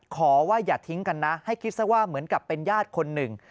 ขอว่าอย่าทิ้งกันนะให้คิดซะว่าเหมือนกับเป็นญาติคนหนึ่ง